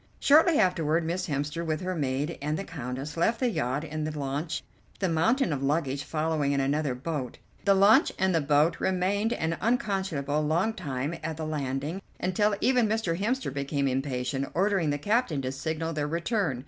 Shortly afterward Miss Hemster, with her maid and the Countess, left the yacht in the launch, the mountain of luggage following in another boat. The launch and the boat remained an unconscionably long time at the landing, until even Mr. Hemster became impatient, ordering the captain to signal their return.